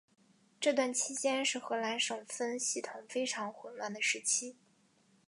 这段期间是荷兰省分系统非常混乱的时期。